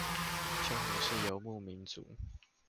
匈奴是游牧民族